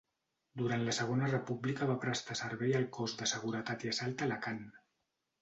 Durant la Segona República va prestar servei al Cos de Seguretat i Assalt a Alacant.